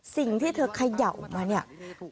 สิ่งที่เธอเขย่าออกมาเนี่ย